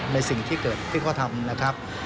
ในสิ่งที่เกิดขึ้นเขาทำนะครับ